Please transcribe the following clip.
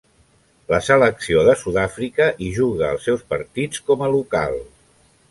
La selecció de Sud-àfrica hi juga els seus partits com a local.